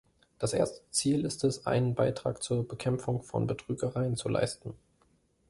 Das erste Ziel ist es, einen Beitrag zur Bekämpfung von Betrügereien zu leisten.